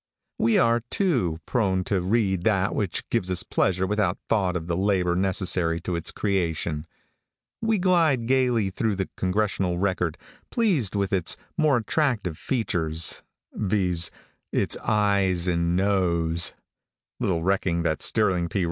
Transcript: We are too prone to read that which gives us pleasure without thought of the labor necessary to its creation. We glide gaily through the Congressional Record, pleased with its more attractive features, viz: its ayes and noes little recking that Sterling P.